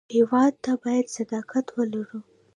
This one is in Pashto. هېواد ته باید صداقت ولرو